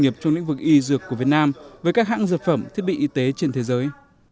nghiệp trong lĩnh vực y dược của việt nam với các hãng dược phẩm thiết bị y tế trên thế giới